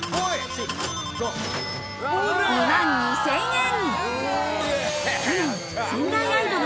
２万２０００円。